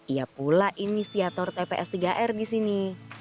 ia pula inisiator tps tiga r di sini